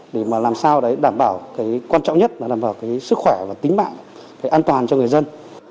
để mà làm sao đấy đảm bảo cái quan trọng nhất là đảm bảo cái sức khỏe và tính mạng cái an toàn cho người dân